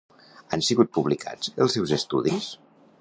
Han sigut publicats els seus estudis?